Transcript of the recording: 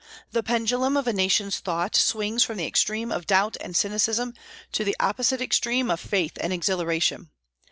The pendulum of a nation's thought swings from the extreme of doubt and cynicism to the opposite extreme of faith and exhilaration.